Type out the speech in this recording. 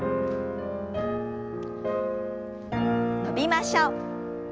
伸びましょう。